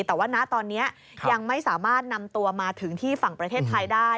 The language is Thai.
แต่ว่าณตอนนี้ยังไม่สามารถนำตัวมาถึงที่ฝั่งประเทศไทยได้